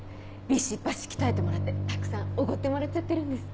ビシバシ鍛えてもらってたくさんおごってもらっちゃってるんです。